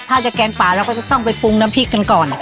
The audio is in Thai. ถ้าจะแกงป่าเราก็จะต้องไปปรุงน้ำพริกกันก่อน